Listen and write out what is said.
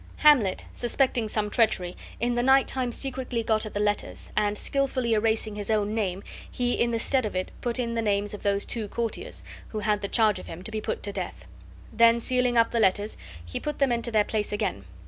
Hamlet, suspecting some treachery, in the nighttime secretly got at the letters, and, skilfully erasing his own name, he in the stead of it put in the names of those two courtiers, who had the charge of him, to be put to death; then sealing up the letters, he put them into their place again.